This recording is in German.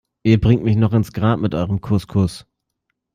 Ihr bringt mich noch ins Grab mit eurem Couscous.